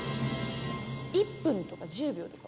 １分とか１０秒とか。